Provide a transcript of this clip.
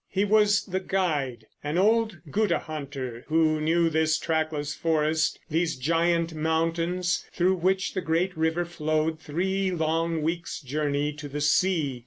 He was the guide, an old "Gutta hunter" who knew this trackless forest, these giant mountains through which the great river flowed three long weeks' journey to the sea.